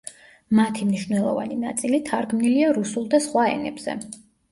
მათი მნიშვნელოვანი ნაწილი თარგმნილია რუსულ და სხვა ენებზე.